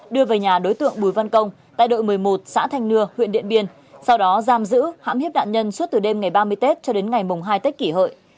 đưa về nhà đối tượng bùi văn công tại đội một mươi một xã thanh nưa huyện điện biên sau đó giam giữ hãm hiếp nạn nhân suốt từ đêm ngày ba mươi tết cho đến ngày mùng hai tết kỷ hợi